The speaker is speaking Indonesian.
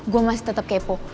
gue masih tetep kepo